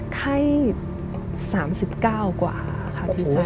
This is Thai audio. ไข้๓๙กว่าค่ะพี่จ้า